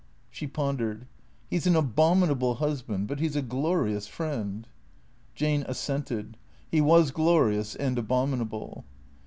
She pondered. " He 's an abominable husband, but he 's a glorious friend." Jane assented. He was glorious and abominable.